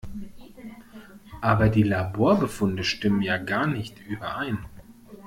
Aber die Laborbefunde stimmen ja gar nicht überein.